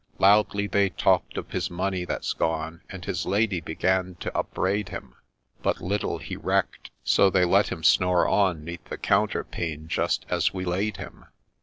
— Loudly they talk'd of his money that 's gone, And his Lady began to upbraid him ; But little he reck'd, so they let him snore on 'Neath the counterpane just as we laid him.